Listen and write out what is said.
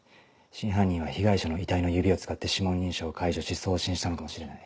真犯人は被害者の遺体の指を使って指紋認証を解除し送信したのかもしれない。